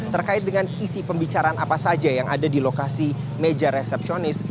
terkait dengan isi pembicaraan apa saja yang ada di lokasi meja resepsionis